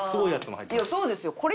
いやそうですよ。